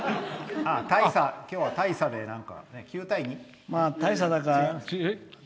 今日は大差で９対２。